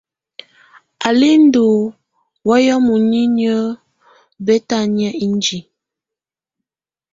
Á lɛ́ ndɔ́ wayɛ̀á muninyǝ́ ibǝ́tǝ́niǝ́ indiǝ.